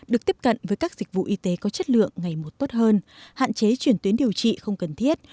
được tiếp cận với các dịch vụ y tế có chất lượng ngày một tốt hơn hạn chế chuyển tuyến điều trị không cần thiết